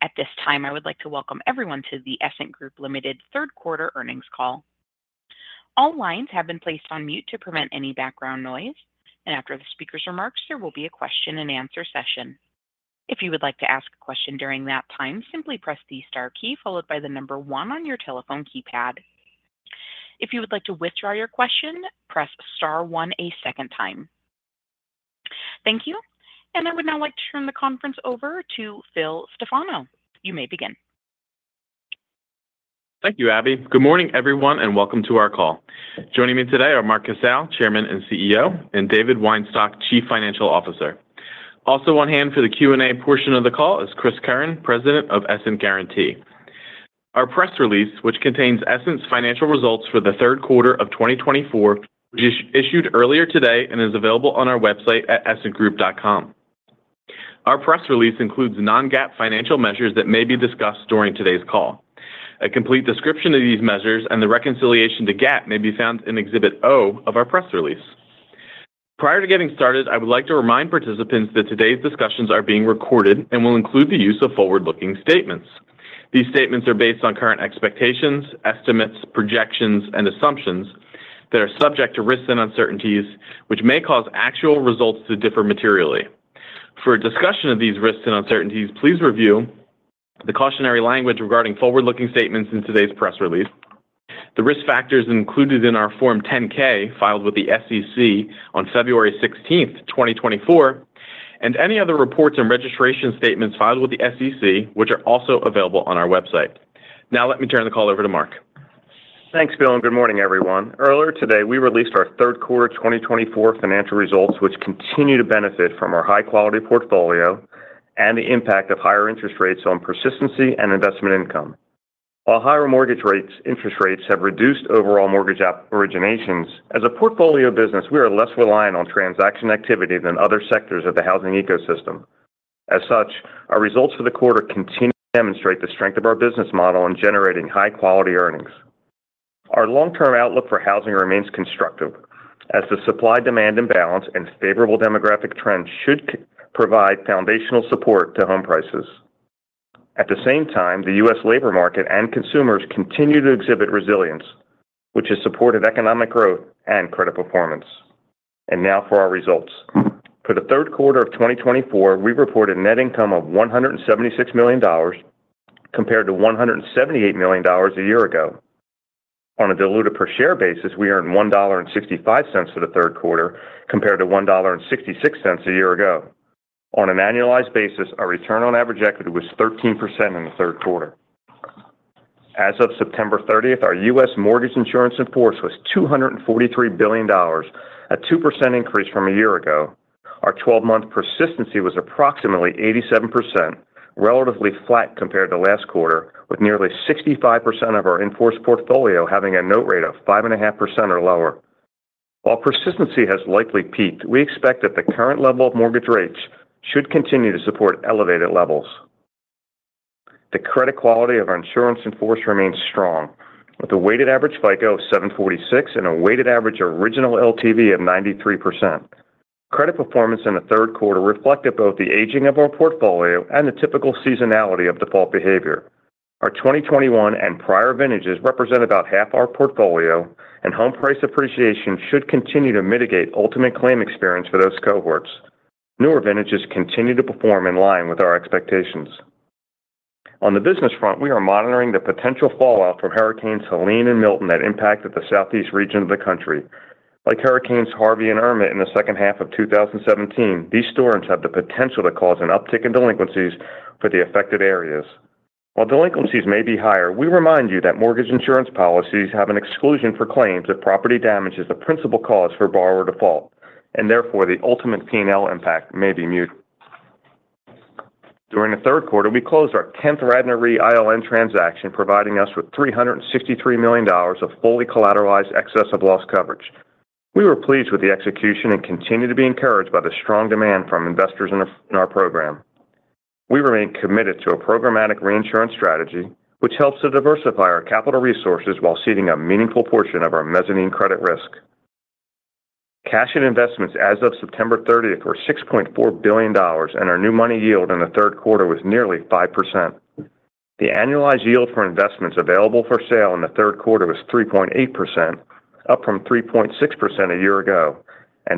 At this time, I would like to welcome everyone to the Essent Group Limited third quarter earnings call. All lines have been placed on mute to prevent any background noise, and after the speaker's remarks, there will be a question-and-answer session. If you would like to ask a question during that time, simply press the star key followed by the number one on your telephone keypad. If you would like to withdraw your question, press star one a second time. Thank you, and I would now like to turn the conference over to Phil Stefano. You may begin. Thank you, Abby. Good morning, everyone, and welcome to our call. Joining me today are Mark Casale, Chairman and CEO, and David Weinstock, Chief Financial Officer. Also on hand for the Q&A portion of the call is Chris Curran, President of Essent Guaranty. Our press release, which contains Essent's financial results for the third quarter of 2024, was issued earlier today and is available on our website at essentgroup.com. Our press release includes non-GAAP financial measures that may be discussed during today's call. A complete description of these measures and the reconciliation to GAAP may be found in Exhibit O of our press release. Prior to getting started, I would like to remind participants that today's discussions are being recorded and will include the use of forward-looking statements. These statements are based on current expectations, estimates, projections, and assumptions that are subject to risks and uncertainties, which may cause actual results to differ materially. For a discussion of these risks and uncertainties, please review the cautionary language regarding forward-looking statements in today's press release, the risk factors included in our Form 10-K filed with the SEC on February 16th, 2024, and any other reports and registration statements filed with the SEC, which are also available on our website. Now, let me turn the call over to Mark. Thanks, Phil. And good morning, everyone. Earlier today, we released our third quarter 2024 financial results, which continue to benefit from our high-quality portfolio and the impact of higher interest rates on persistency and investment income. While higher mortgage rates have reduced overall mortgage originations, as a portfolio business, we are less reliant on transaction activity than other sectors of the housing ecosystem. As such, our results for the quarter continue to demonstrate the strength of our business model in generating high-quality earnings. Our long-term outlook for housing remains constructive, as the supply-demand imbalance and favorable demographic trends should provide foundational support to home prices. At the same time, the U.S. labor market and consumers continue to exhibit resilience, which has supported economic growth and credit performance. And now for our results. For the third quarter of 2024, we reported net income of $176 million compared to $178 million a year ago. On a diluted per share basis, we earned $1.65 for the third quarter compared to $1.66 a year ago. On an annualized basis, our return on average equity was 13% in the third quarter. As of September 30th, our U.S. mortgage insurance in force was $243 billion, a 2% increase from a year ago. Our 12-month persistency was approximately 87%, relatively flat compared to last quarter, with nearly 65% of our in force portfolio having a note rate of 5.5% or lower. While persistency has likely peaked, we expect that the current level of mortgage rates should continue to support elevated levels. The credit quality of our insurance in force remains strong, with a weighted average FICO of 746 and a weighted average original LTV of 93%. Credit performance in the third quarter reflected both the aging of our portfolio and the typical seasonality of default behavior. Our 2021 and prior vintages represent about half our portfolio, and home price appreciation should continue to mitigate ultimate claim experience for those cohorts. Newer vintages continue to perform in line with our expectations. On the business front, we are monitoring the potential fallout from Hurricanes Helene and Milton that impacted the Southeast region of the country. Like Hurricanes Harvey and Irma in the second half of 2017, these storms have the potential to cause an uptick in delinquencies for the affected areas. While delinquencies may be higher, we remind you that mortgage insurance policies have an exclusion for claims if property damage is the principal cause for borrower default, and therefore the ultimate P&L impact may be minimal. During the third quarter, we closed our 10th Radnor Re ILN transaction, providing us with $363 million of fully collateralized excess of loss coverage. We were pleased with the execution and continue to be encouraged by the strong demand from investors in our program. We remain committed to a programmatic reinsurance strategy, which helps to diversify our capital resources while ceding a meaningful portion of our mezzanine credit risk. Cash and investments as of September 30th were $6.4 billion, and our new money yield in the third quarter was nearly 5%. The annualized yield for investments available for sale in the third quarter was 3.8%, up from 3.6% a year ago.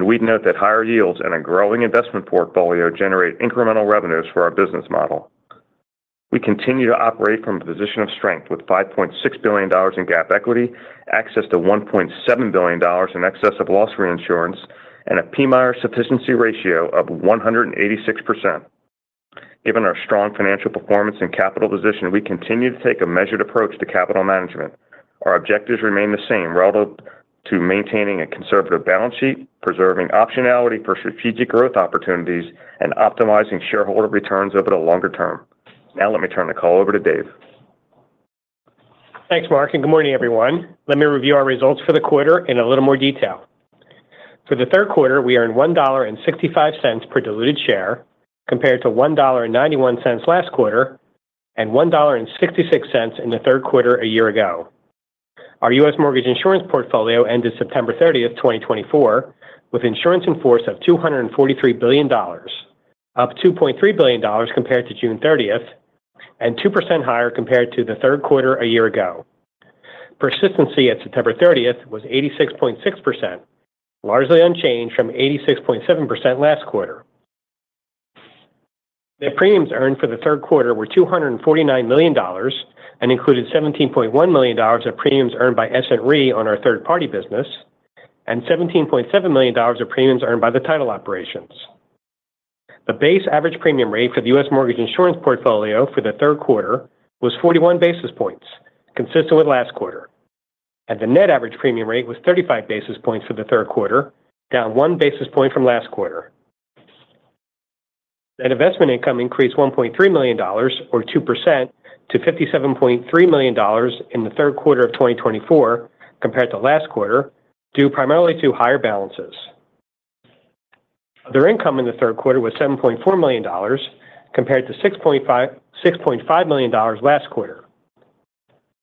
We'd note that higher yields and a growing investment portfolio generate incremental revenues for our business model. We continue to operate from a position of strength with $5.6 billion in GAAP equity, access to $1.7 billion in excess of loss reinsurance, and a PMIERs sufficiency ratio of 186%. Given our strong financial performance and capital position, we continue to take a measured approach to capital management. Our objectives remain the same relative to maintaining a conservative balance sheet, preserving optionality for strategic growth opportunities, and optimizing shareholder returns over the longer term. Now, let me turn the call over to Dave. Thanks, Mark. And good morning, everyone. Let me review our results for the quarter in a little more detail. For the third quarter, we earned $1.65 per diluted share compared to $1.91 last quarter and $1.66 in the third quarter a year ago. Our U.S. mortgage insurance portfolio ended September 30th, 2024, with insurance in force of $243 billion, up $2.3 billion compared to June 30th, and 2% higher compared to the third quarter a year ago. Persistency at September 30th was 86.6%, largely unchanged from 86.7% last quarter. The premiums earned for the third quarter were $249 million and included $17.1 million of premiums earned by Essent Re on our third-party business and $17.7 million of premiums earned by the title operations. The base average premium rate for the U.S. mortgage insurance portfolio for the third quarter was 41 basis points, consistent with last quarter. The net average premium rate was 35 basis points for the third quarter, down one basis point from last quarter. Net investment income increased $1.3 million, or 2%, to $57.3 million in the third quarter of 2024 compared to last quarter, due primarily to higher balances. Other income in the third quarter was $7.4 million, compared to $6.5 million last quarter.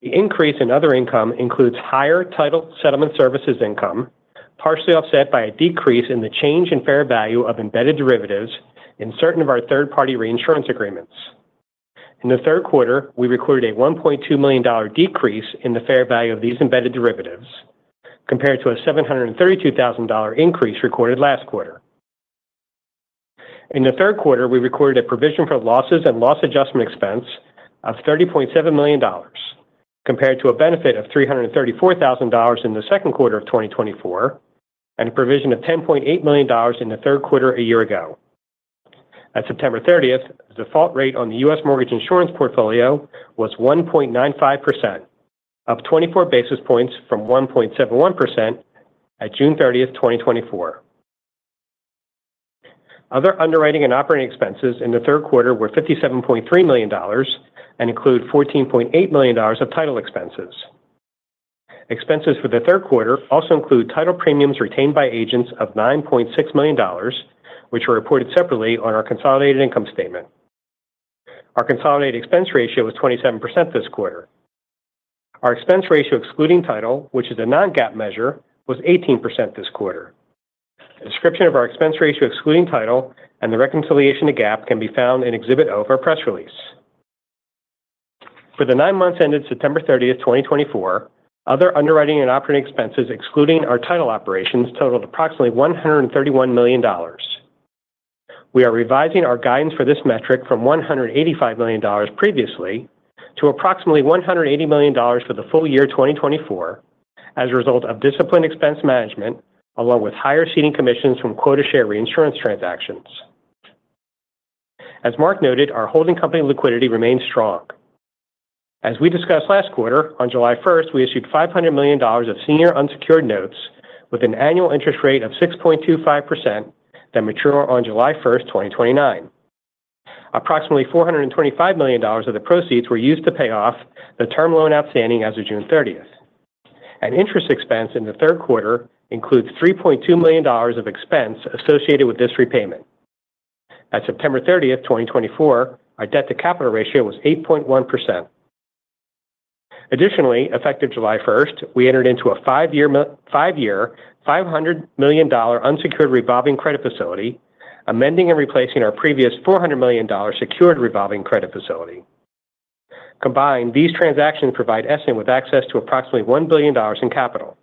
The increase in other income includes higher title settlement services income, partially offset by a decrease in the change in fair value of embedded derivatives in certain of our third-party reinsurance agreements. In the third quarter, we recorded a $1.2 million decrease in the fair value of these embedded derivatives, compared to a $732,000 increase recorded last quarter. In the third quarter, we recorded a provision for losses and loss adjustment expense of $30.7 million, compared to a benefit of $334,000 in the second quarter of 2024, and a provision of $10.8 million in the third quarter a year ago. At September 30th, the default rate on the U.S. mortgage insurance portfolio was 1.95%, up 24 basis points from 1.71% at June 30th, 2024. Other underwriting and operating expenses in the third quarter were $57.3 million and include $14.8 million of title expenses. Expenses for the third quarter also include title premiums retained by agents of $9.6 million, which are reported separately on our consolidated income statement. Our consolidated expense ratio was 27% this quarter. Our expense ratio excluding title, which is a non-GAAP measure, was 18% this quarter. A description of our expense ratio excluding title and the reconciliation to GAAP can be found in Exhibit O of our press release. For the nine months ended September 30th, 2024, other underwriting and operating expenses excluding our title operations totaled approximately $131 million. We are revising our guidance for this metric from $185 million previously to approximately $180 million for the full year 2024, as a result of disciplined expense management, along with higher ceding commissions from quota share reinsurance transactions. As Mark noted, our holding company liquidity remains strong. As we discussed last quarter, on July 1st, we issued $500 million of senior unsecured notes with an annual interest rate of 6.25% that mature on July 1st, 2029. Approximately $425 million of the proceeds were used to pay off the term loan outstanding as of June 30th. Interest expense in the third quarter includes $3.2 million of expense associated with this repayment. At September 30th, 2024, our debt-to-capital ratio was 8.1%. Additionally, effective July 1st, we entered into a five-year $500 million unsecured revolving credit facility, amending and replacing our previous $400 million secured revolving credit facility. Combined, these transactions provide Essent with access to approximately $1 billion in capital.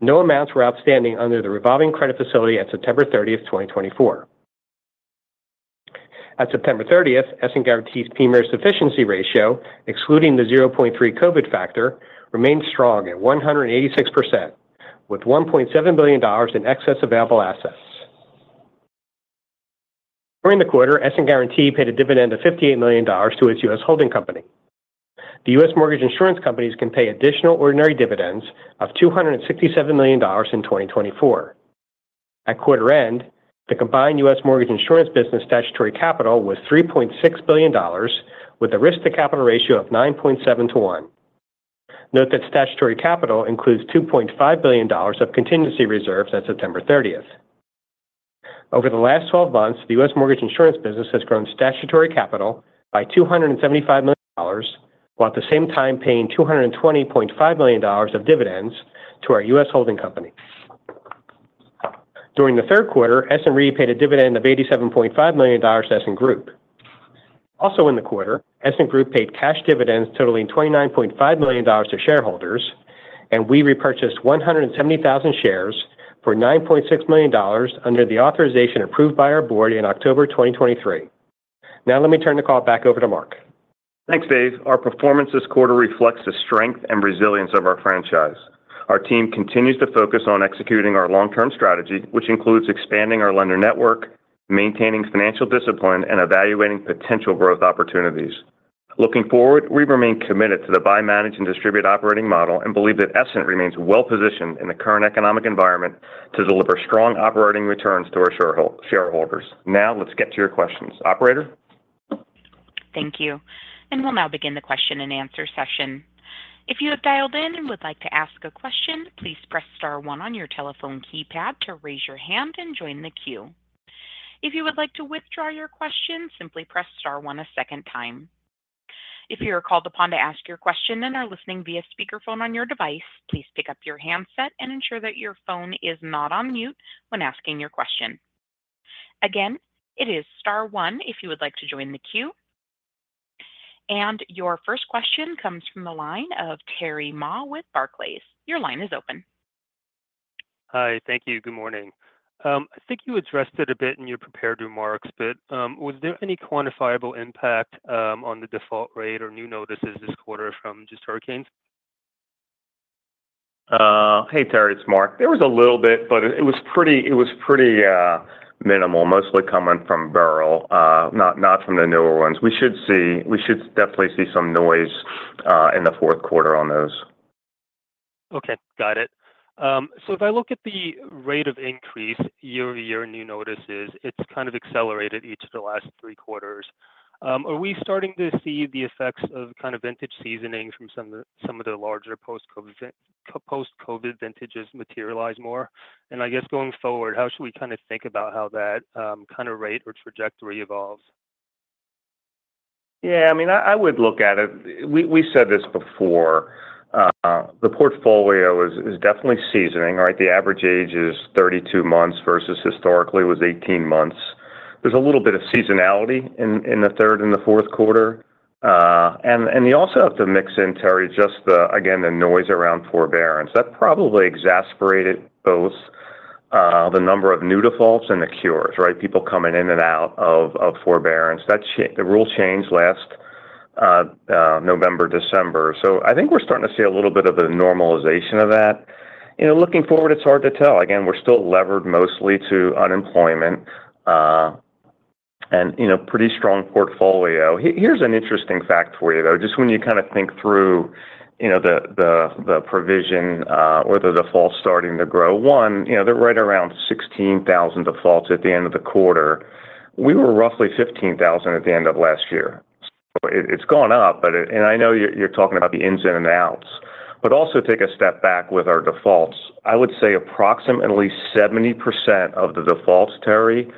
No amounts were outstanding under the revolving credit facility at September 30th, 2024. At September 30th, Essent Guaranty's PMIER sufficiency ratio, excluding the 0.3 COVID factor, remained strong at 186%, with $1.7 billion in excess available assets. During the quarter, Essent Guaranty paid a dividend of $58 million to its U.S. holding company. The U.S. mortgage insurance companies can pay additional ordinary dividends of $267 million in 2024. At quarter end, the combined U.S. Mortgage insurance business statutory capital was $3.6 billion, with a risk-to-capital ratio of 9.7 to 1. Note that statutory capital includes $2.5 billion of contingency reserves at September 30th. Over the last 12 months, the U.S. mortgage insurance business has grown statutory capital by $275 million, while at the same time paying $220.5 million of dividends to our U.S. holding company. During the third quarter, Essent Re paid a dividend of $87.5 million to Essent Group. Also in the quarter, Essent Group paid cash dividends totaling $29.5 million to shareholders, and we repurchased 170,000 shares for $9.6 million under the authorization approved by our board in October 2023. Now, let me turn the call back over to Mark. Thanks, Dave. Our performance this quarter reflects the strength and resilience of our franchise. Our team continues to focus on executing our long-term strategy, which includes expanding our lender network, maintaining financial discipline, and evaluating potential growth opportunities. Looking forward, we remain committed to the buy-manage-and-distribute operating model and believe that Essent remains well-positioned in the current economic environment to deliver strong operating returns to our shareholders. Now, let's get to your questions. Operator? Thank you. We'll now begin the question-and-answer session. If you have dialed in and would like to ask a question, please press star one on your telephone keypad to raise your hand and join the queue. If you would like to withdraw your question, simply press star one a second time. If you are called upon to ask your question and are listening via speakerphone on your device, please pick up your handset and ensure that your phone is not on mute when asking your question. Again, it is star one if you would like to join the queue. Your first question comes from the line of Terry Ma with Barclays. Your line is open. Hi. Thank you. Good morning. I think you addressed it a bit in your prepared remarks, but was there any quantifiable impact on the default rate or new notices this quarter from just hurricanes? Hey, Terry. It's Mark. There was a little bit, but it was pretty minimal, mostly coming from Beryl, not from the newer ones. We should definitely see some noise in the fourth quarter on those. Okay. Got it. So if I look at the rate of increase, year-to-year new notices, it's kind of accelerated each of the last three quarters. Are we starting to see the effects of kind of vintage seasoning from some of the larger post-COVID vintages materialize more? And I guess going forward, how should we kind of think about how that kind of rate or trajectory evolves? Yeah. I mean, I would look at it. We said this before. The portfolio is definitely seasoning, right? The average age is 32 months versus historically was 18 months. There's a little bit of seasonality in the third and the fourth quarter. And you also have to mix in, Terry, just the, again, the noise around forbearance. That probably exacerbated both the number of new defaults and the cures, right? People coming in and out of forbearance. The rule changed last November, December. So I think we're starting to see a little bit of a normalization of that. Looking forward, it's hard to tell. Again, we're still levered mostly to unemployment and pretty strong portfolio. Here's an interesting fact for you, though. Just when you kind of think through the provision, or the defaults starting to grow, one, they're right around 16,000 defaults at the end of the quarter. We were roughly 15,000 at the end of last year. So it's gone up, and I know you're talking about the ins and the outs. But also take a step back with our defaults. I would say approximately 70% of the defaults, Terry,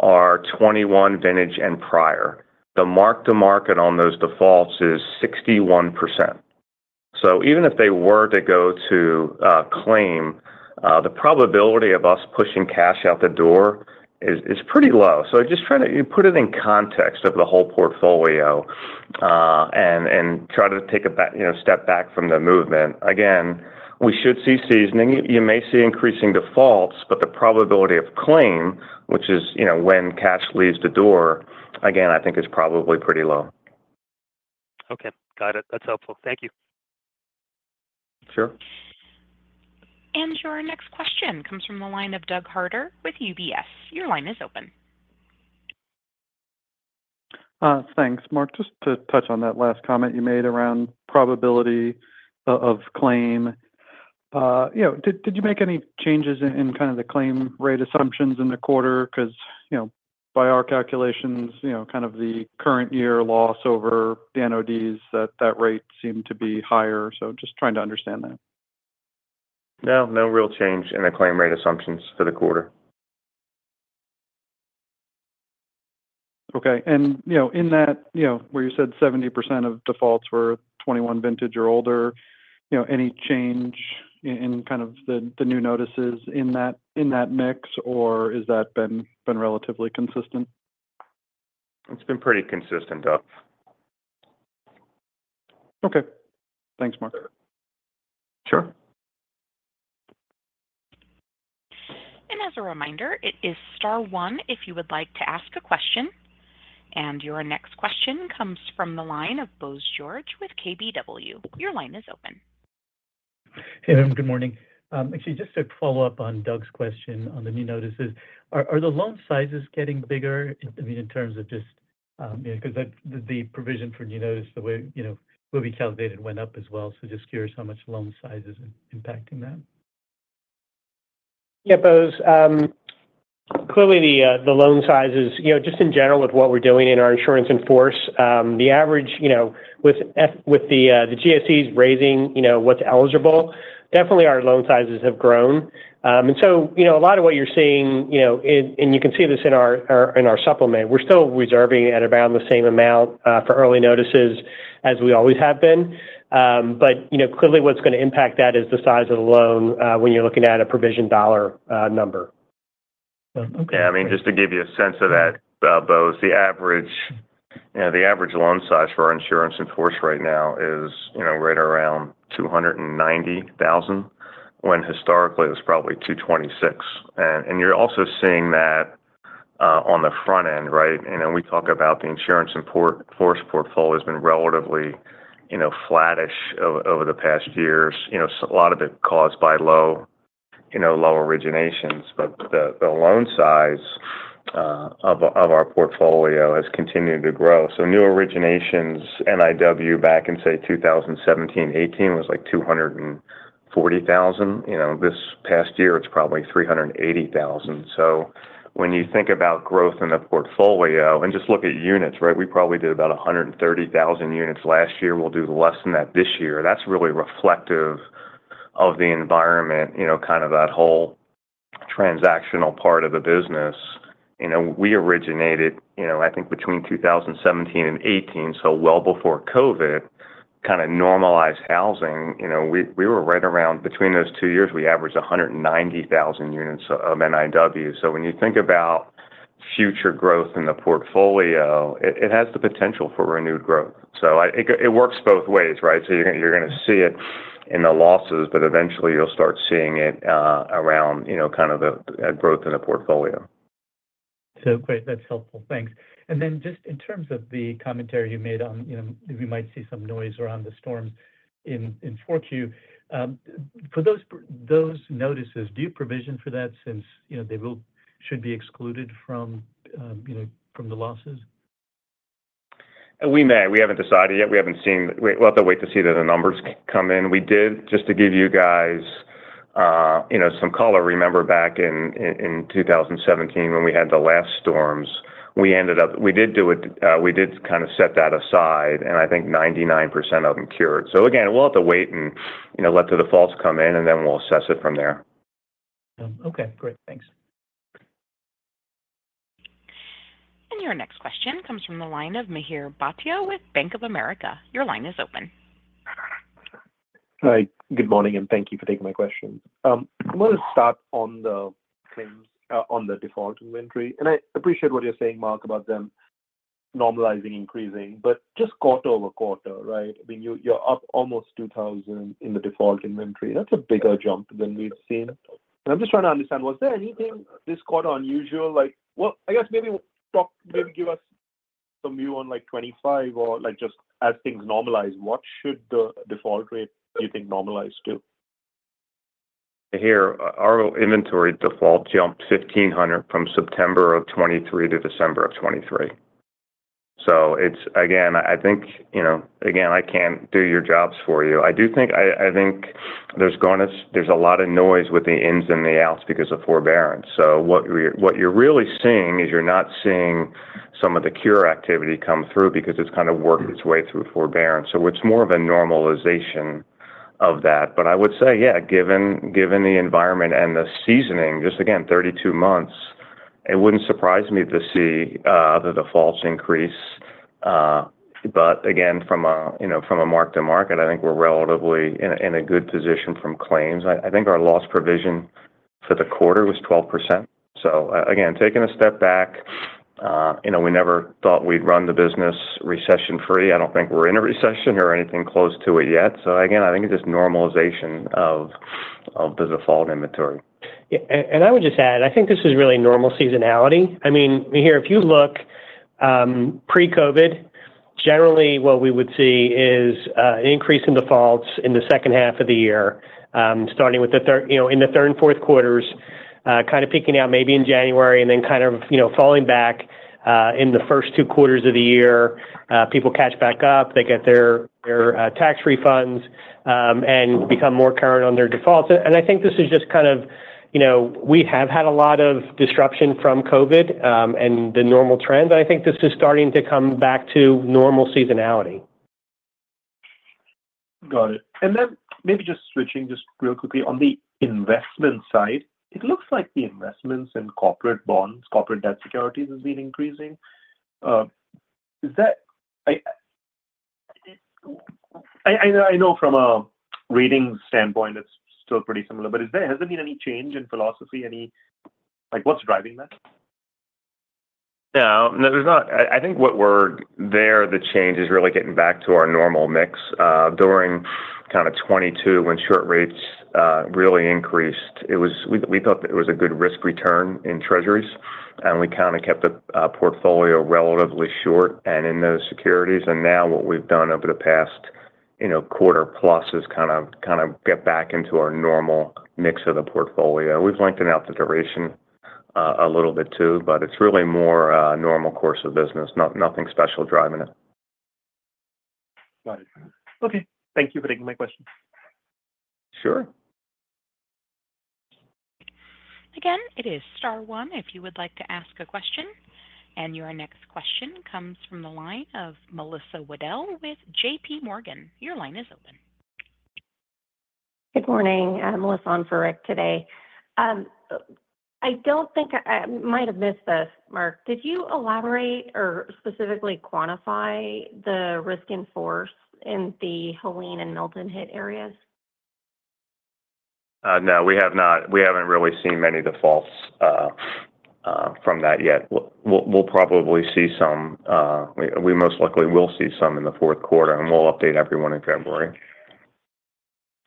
are 2021 vintage and prior. The mark-to-market on those defaults is 61%. So even if they were to go to claim, the probability of us pushing cash out the door is pretty low. So just try to put it in context of the whole portfolio and try to take a step back from the movement. Again, we should see seasoning. You may see increasing defaults, but the probability of claim, which is when cash leaves the door, again, I think is probably pretty low. Okay. Got it. That's helpful. Thank you. Sure. Your next question comes from the line of Doug Harter with UBS. Your line is open. Thanks, Mark. Just to touch on that last comment you made around probability of claim, did you make any changes in kind of the claim rate assumptions in the quarter? Because by our calculations, kind of the current year loss over the NODs, that rate seemed to be higher. So just trying to understand that. No, no real change in the claim rate assumptions for the quarter. Okay. And in that, where you said 70% of defaults were 2021 vintage or older, any change in kind of the new notices in that mix, or has that been relatively consistent? It's been pretty consistent, Doug. Okay. Thanks, Mark. Sure. And as a reminder, it is star one if you would like to ask a question. And your next question comes from the line of Bose George with KBW. Your line is open. Hey, everyone. Good morning. Actually, just to follow up on Doug's question on the new notices, are the loan sizes getting bigger, I mean, in terms of just because the provision for new notice, the way it will be calculated, went up as well? So just curious how much loan size is impacting that? Yeah, Bose. Clearly, the loan sizes, just in general with what we're doing in our insurance in force, the average with the GSEs raising what's eligible, definitely our loan sizes have grown. And so a lot of what you're seeing, and you can see this in our supplement, we're still reserving at around the same amount for early notices as we always have been. But clearly, what's going to impact that is the size of the loan when you're looking at a provision dollar number. Yeah. I mean, just to give you a sense of that, Bose, the average loan size for our insurance in force right now is right around $290,000, when historically it was probably $226,000. And you're also seeing that on the front end, right? And we talk about the insurance in force portfolio has been relatively flattish over the past years. A lot of it caused by low originations, but the loan size of our portfolio has continued to grow. So new originations, NIW back in, say, 2017, 2018 was like $240,000. This past year, it's probably $380,000. So when you think about growth in the portfolio, and just look at units, right? We probably did about 130,000 units last year. We'll do less than that this year. That's really reflective of the environment, kind of that whole transactional part of the business. We originated, I think, between 2017 and 2018, so well before COVID, kind of normalized housing. We were right around between those two years, we averaged 190,000 units of NIW. So when you think about future growth in the portfolio, it has the potential for renewed growth. So it works both ways, right? So you're going to see it in the losses, but eventually, you'll start seeing it around kind of the growth in the portfolio. Great. That's helpful. Thanks. And then, just in terms of the commentary you made that we might see some noise around the storms in the fourth quarter, for those notices, do you provision for that since they should be excluded from the losses? We may. We haven't decided yet. We haven't seen. We'll have to wait to see the numbers come in. We did, just to give you guys some color. Remember back in 2017 when we had the last storms, we ended up we did do it. We did kind of set that aside, and I think 99% of them cured. So again, we'll have to wait and let the defaults come in, and then we'll assess it from there. Okay. Great. Thanks. And your next question comes from the line of Mihir Bhatia with Bank of America. Your line is open. Hi. Good morning, and thank you for taking my question. I want to start on the default inventory. And I appreciate what you're saying, Mark, about them normalizing, increasing, but just quarter over quarter, right? I mean, you're up almost 2,000 in the default inventory. That's a bigger jump than we've seen. And I'm just trying to understand, was there anything this quarter unusual? Well, I guess maybe give us some view on 2025 or just as things normalize, what should the default rate, do you think, normalize to? Here, our default inventory jumped 1,500 from September of 2023 to December of 2023. So again, I think, again, I can't do your jobs for you. I do think there's a lot of noise with the ins and the outs because of forbearance. So what you're really seeing is you're not seeing some of the cure activity come through because it's kind of worked its way through forbearance. So it's more of a normalization of that. But I would say, yeah, given the environment and the seasoning, just again, 32 months, it wouldn't surprise me to see the defaults increase. But again, from a mark-to-market, I think we're relatively in a good position from claims. I think our loss provision for the quarter was 12%. So again, taking a step back, we never thought we'd run the business recession-free. I don't think we're in a recession or anything close to it yet, so again, I think it's just normalization of the default inventory. I would just add, I think this is really normal seasonality. I mean, here, if you look pre-COVID, generally, what we would see is an increase in defaults in the second half of the year, starting with the third quarter in the third and fourth quarters, kind of peaking out maybe in January, and then kind of falling back in the first two quarters of the year. People catch back up. They get their tax refunds and become more current on their defaults. I think this is just kind of we have had a lot of disruption from COVID and the normal trend. I think this is starting to come back to normal seasonality. Got it. And then maybe just switching real quickly on the investment side, it looks like the investments in corporate bonds, corporate debt securities has been increasing. I know from a reading standpoint, it's still pretty similar, but has there been any change in philosophy? What's driving that? No. I think what we're there, the change is really getting back to our normal mix. During kind of 2022, when short rates really increased, we thought that it was a good risk return in treasuries, and we kind of kept the portfolio relatively short and in those securities. Now what we've done over the past quarter-plus is kind of get back into our normal mix of the portfolio. We've lengthened out the duration a little bit too, but it's really more a normal course of business. Nothing special driving it. Got it. Okay. Thank you for taking my question. Sure. Again, it is star one if you would like to ask a question. And your next question comes from the line of Melissa Wedel with JPMorgan. Your line is open. Good morning. Melissa on for Rick today. I might have missed this, Mark. Did you elaborate or specifically quantify the insurance in force in the Helene and Milton hit areas? No, we have not. We haven't really seen many defaults from that yet. We'll probably see some. We most likely will see some in the fourth quarter, and we'll update everyone in February.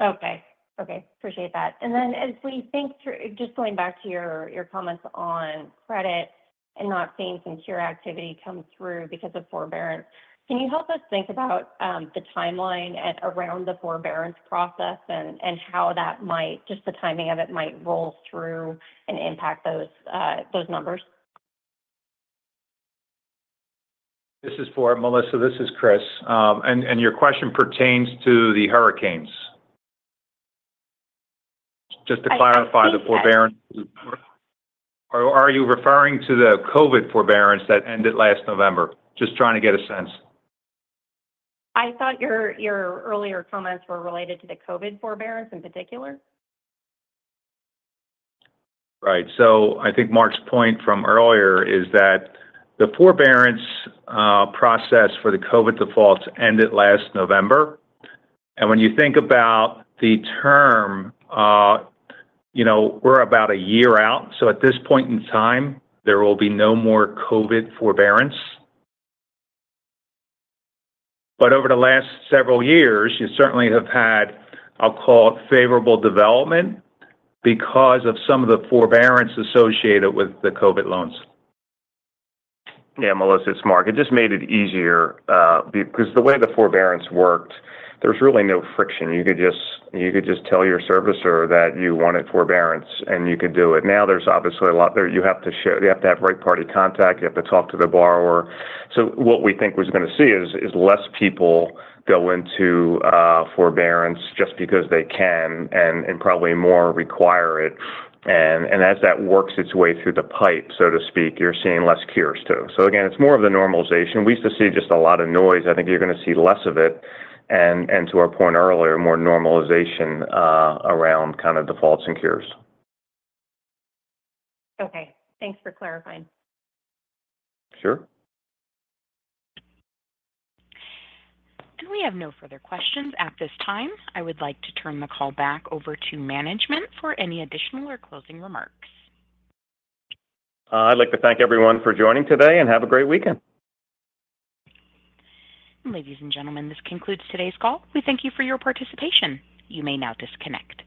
Okay. Okay. Appreciate that. And then as we think through, just going back to your comments on credit and not seeing some cure activity come through because of forbearance, can you help us think about the timeline around the forbearance process and how that might, just the timing of it, might roll through and impact those numbers? This is for Melissa. This is Chris. Your question pertains to the hurricanes. Just to clarify the forbearance, are you referring to the COVID forbearance that ended last November? Just trying to get a sense. I thought your earlier comments were related to the COVID forbearance in particular. Right. So I think Mark's point from earlier is that the forbearance process for the COVID defaults ended last November. And when you think about the term, we're about a year out. So at this point in time, there will be no more COVID forbearance. But over the last several years, you certainly have had, I'll call it, favorable development because of some of the forbearance associated with the COVID loans. Yeah, Melissa, it's Mark. It just made it easier because the way the forbearance worked, there's really no friction. You could just tell your servicer that you wanted forbearance, and you could do it. Now there's obviously a lot you have to show. You have to have right party contact. You have to talk to the borrower. So what we think we're going to see is less people go into forbearance just because they can and probably more require it. As that works its way through the pipe, so to speak, you're seeing less cures too. Again, it's more of the normalization. We used to see just a lot of noise. I think you're going to see less of it. To our point earlier, more normalization around kind of defaults and cures. Okay. Thanks for clarifying. Sure. We have no further questions at this time. I would like to turn the call back over to management for any additional or closing remarks. I'd like to thank everyone for joining today and have a great weekend. Ladies and gentlemen, this concludes today's call. We thank you for your participation. You may now disconnect.